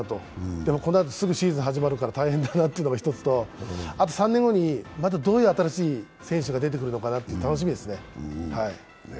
でも、このあとすぐシーズン始まるから大変だなというのが１つと、あと３年後に、またどういう新しい選手が出てくるのかなって楽しみだな。